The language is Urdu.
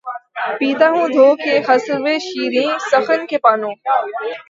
پیتا ہوں دھو کے خسروِ شیریں سخن کے پانو